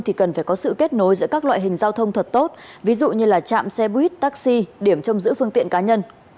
thì cần phải có sự kết nối giữa các loại hình giao thông thật tốt ví dụ như là chạm xe buýt taxi điểm trông giữ phương tiện cá nhân